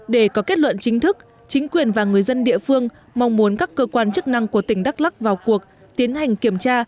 để có kết luận chính thức chính quyền và người dân địa phương mong muốn các cơ quan chức năng của tỉnh đắk lắc vào cuộc tiến hành kiểm tra